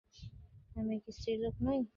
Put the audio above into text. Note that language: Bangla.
আমি কি স্ত্রীলোক নই।